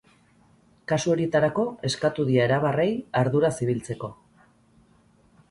Kasu horietarako, eskatu die arabarrei arduraz ibiltzeko.